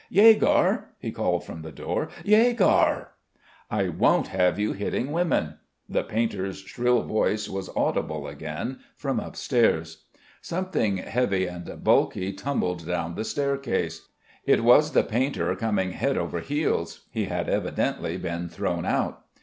Yegor," he called from the door. "Yegor!" "I won't have you hitting women." The painter's shrill voice was audible again from upstairs. Something heavy and bulky tumbled down the staircase. It was the painter coming head over heels. He had evidently been thrown out.